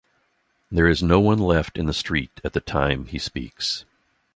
There is no-one left in the street at the time he speaks.